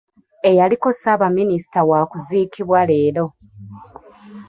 Eyaliko ssaabaminisita wa kuziikibwa leero.